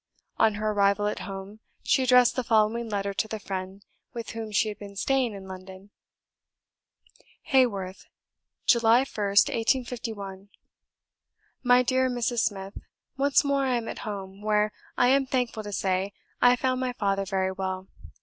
On her arrival at home, she addressed the following letter to the friend with whom she had been staying in London: "Haworth, July 1st, 1851. "My dear Mrs. Smith, Once more I am at home, where, I am thankful to say, I found my father very well.